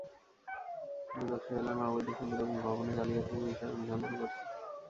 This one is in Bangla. দুদক সোহেল রানার অবৈধ সম্পদ এবং ভবনে জালিয়াতির বিষয়ে অনুসন্ধান করছে।